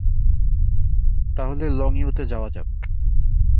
তাহলে লংইউতে যাওয়া যাক।